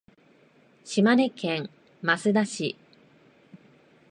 島根県益田市